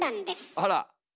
あら。